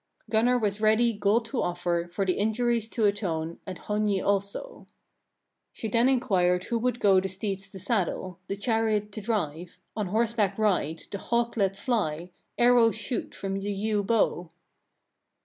18. Gunnar was ready gold to offer, for the injuries to atone, and Hogni also. She then inquired who would go the steeds to saddle, the chariot to drive, on horseback ride, the hawk let fly, arrows shoot from the yew bow?